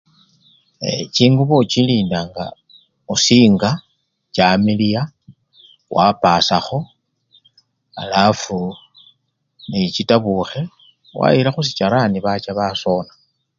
Ee! chingubo ochilinda nga osinga chamiliya wapasyakho alafu nechitabukhe wayila khusichalani bacha baona.